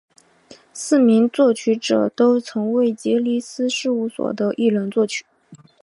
四名作曲者都曾为杰尼斯事务所的艺人作曲。